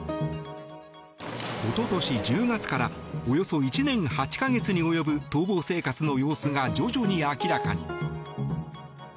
一昨年１０月からおよそ１年８か月に及ぶ逃亡生活の様子が徐々に明らかに。